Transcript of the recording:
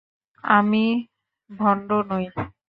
আমি ভণ্ড নই।